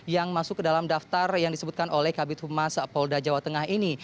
yang masuk ke dalam daftar yang disebutkan oleh kabit humas polda jawa tengah ini